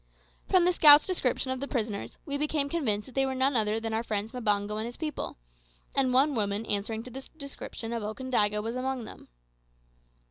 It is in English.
From the scout's description of the prisoners, we became convinced that they were none other than our friends Mbango and his people, and one woman answering to the description of Okandaga was among them.